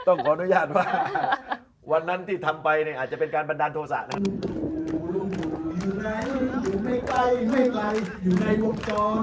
ขออนุญาตว่าวันนั้นที่ทำไปเนี่ยอาจจะเป็นการบันดาลโทษะนะครับ